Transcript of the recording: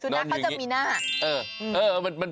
แล้วดูหน้านี่เห็นไหม